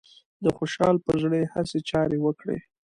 د خوشحال پر زړه يې هسې چارې وکړې